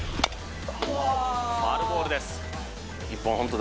ファウルボールです